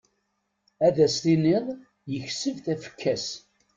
Ad as-tiniḍ yekseb tafekka-s.